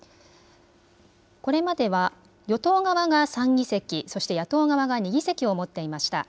これまでは与党側が３議席、そして野党側が２議席を持っていました。